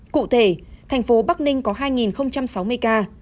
cụ thể thành phố bắc ninh có hai sáu mươi ca